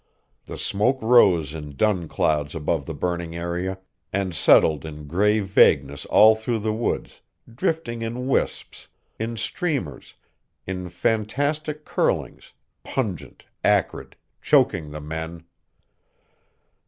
The smoke rose in dun clouds above the burning area and settled in gray vagueness all through the woods, drifting in wisps, in streamers, in fantastic curlings, pungent, acrid, choking the men.